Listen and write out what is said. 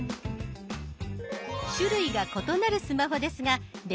種類が異なるスマホですが先生